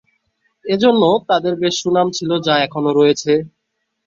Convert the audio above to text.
এরজন্য তাদের বেশ সুনাম ছিল যা এখনো রয়েছে।